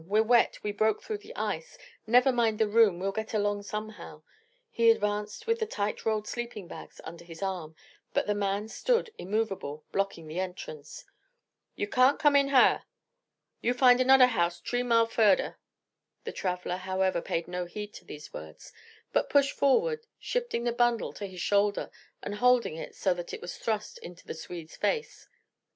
"We're wet. We broke through the ice. Never mind the room, we'll get along somehow." He advanced with the tight rolled sleeping bags under his arm, but the man stood immovable, blocking the entrance. "You can't come in har! You find anoder house t'ree mile furder." The traveller, however, paid no heed to these words, but pushed forward, shifting the bundle to his shoulder and holding it so that it was thrust into the Swede's face.